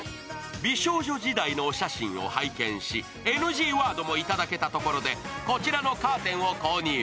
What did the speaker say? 美少女時代のお写真を拝見しＮＧワードもいただけたところでこちらのカーテンを購入。